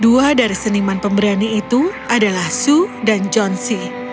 dan satu dari seniman pemberani itu adalah sue dan john c